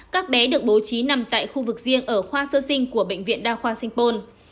các bé được bố trí nằm tại khu vực riêng ở khoa sơ sinh của bệnh viện đa khoa sanh pôn